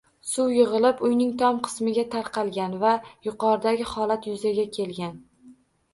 Suv yigʻilib, uyning tom qismiga tarqalgan va yuqoridagi holat yuzaga kelgan.